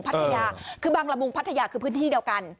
พัทยาคือบางละมุงพัทยาคือพื้นที่เดียวกัน